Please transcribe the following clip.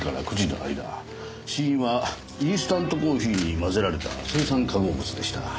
死因はインスタントコーヒーに混ぜられた青酸化合物でした。